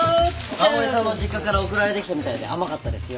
守里さんの実家から送られてきたみたいで甘かったですよ。